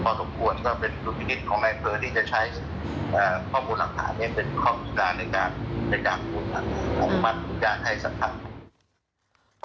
ขอมัดทุกอย่างให้สำคัญ